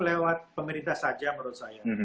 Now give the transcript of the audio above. lewat pemerintah saja menurut saya